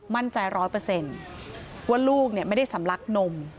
มั่นใจร้อยเปอร์เซ็นต์ว่าลูกไม่ได้สำลักนม